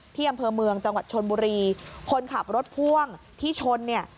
ที่อำเภอเมืองจังหวัดชนบุรีคนขับรถพ่วงที่ชนเนี่ย